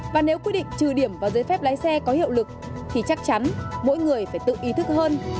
và nếu quy định trừ điểm vào giấy phép lái xe có hiệu lực thì chắc chắn mỗi người phải tự ý thức hơn